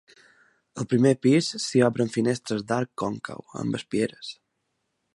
Al primer pis s'hi obren finestres d'arc còncau, amb espieres.